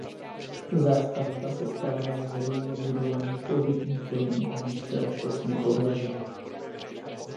Zástavba sestává z veřejně budovaných obytných domů o výšce až osmi podlaží.